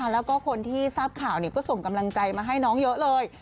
แล้วก็คนที่ทราบข่าวก็ส่งกำลังใจมาให้น้องเยอะเลย